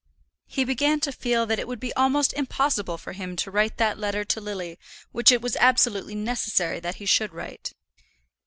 He began to feel that it would be almost impossible for him to write that letter to Lily, which it was absolutely necessary that he should write.